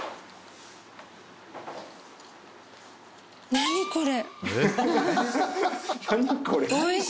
「何これ？」。